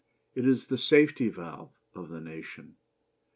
It is the safety valve of the nation.